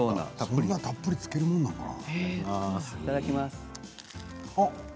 そんなにたっぷりつけるものなのかな？